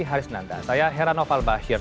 harisnanda saya herano falbahir